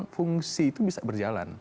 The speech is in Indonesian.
fungsi itu bisa berjalan